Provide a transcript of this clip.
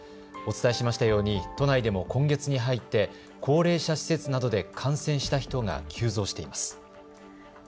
お伝えしましたように都内でも今月に入って高齢者施設などで感染した人が急増しています。